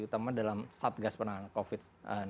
utama dalam satgas penanganan covid sembilan belas